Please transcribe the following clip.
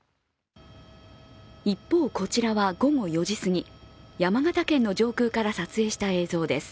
一方、こちらは午後４時すぎ、山形県の上空から撮影した映像です。